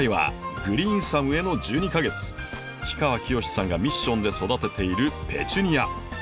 氷川きよしさんがミッションで育てているペチュニア。